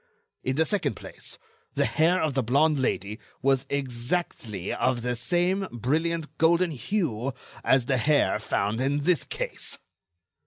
In the second place, the hair of the blonde Lady was exactly of the same brilliant golden hue as the hair found in this case."